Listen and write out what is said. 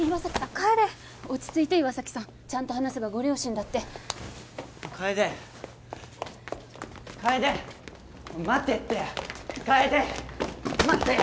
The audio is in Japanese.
楓落ち着いて岩崎さんちゃんと話せばご両親だって楓楓待てって楓待てよ！